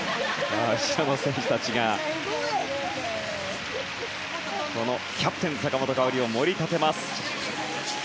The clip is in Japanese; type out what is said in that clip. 選手たちがこのキャプテン坂本花織を盛り立てます。